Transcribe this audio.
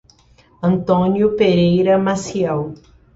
Antônio Pereira Maciel